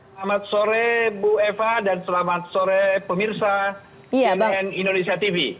selamat sore bu eva dan selamat sore pemirsa cnn indonesia tv